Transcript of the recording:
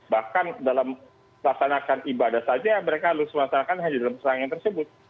bahkan dalam perasaan akan ibadah saja mereka harus perasaan akan hanya dalam perasaan yang tersebut